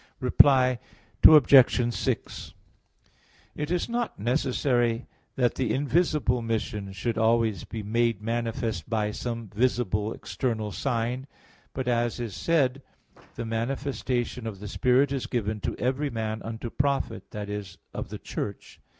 Reply Obj. 6: It is not necessary that the invisible mission should always be made manifest by some visible external sign; but, as is said (1 Cor. 12:7) "the manifestation of the Spirit is given to every man unto profit" that is, of the Church.